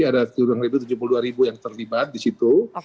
ada ru kesehatan ru tujuh puluh dua ribu yang terlibat di situ